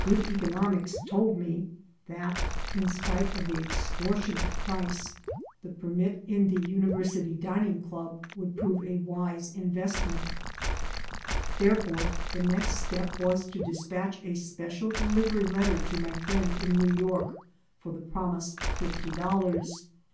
Good economics told me that, in spite of the extortionate 204 IN THE MOLD price, the permit to the TJ. D. Club would prove a wise investment. Therefore the next step was to despatch a special delivery letter to my friend in New York for the promised fifty dollars.